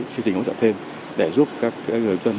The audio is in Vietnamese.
chương trình hỗ trợ thêm để giúp các người dân